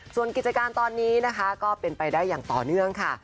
ส่วนกิจการตอนนี้นะคะก็เป็นไปได้อย่างต่อเนื่องค่ะ